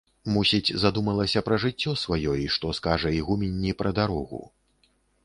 Мусіць, задумалася пра жыццё свае і што скажа ігуменні пра дарогу.